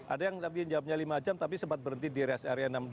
ada yang tadi jawabnya lima jam tapi sempat berhenti di rest area enam puluh dua